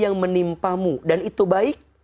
yang menimpamu dan itu baik